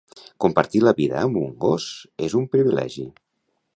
Compartir la vida amb un gos és un privilegi